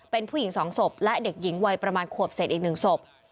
เป็นผู้หญิง๒ศพและเด็กหญิงวัยประมาณขวบเศษอีก๑ศพ